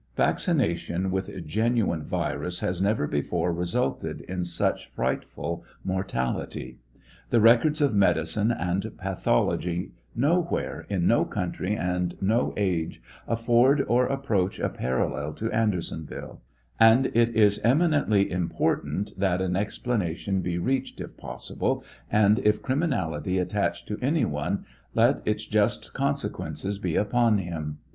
„. Vaccination with genuine virus has never before resulted in such frightful mortality. The records of medicine and pathology nowhere, in no country and no age, aiford or approach a parallel to Andersonville ; and it is eminently Important that an explanation be reached if possible, and if criminality attach to any one, let its just consequences be upon him.